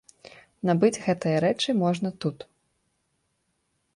Набыць гэтыя рэчы можна тут.